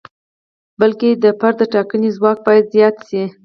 بلکې د فرد د ټاکنې ځواک باید زیات شي.